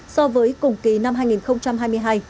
so với cùng kỳ năm hai nghìn hai mươi hai